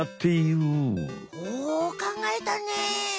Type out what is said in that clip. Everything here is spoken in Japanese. ほうかんがえたね！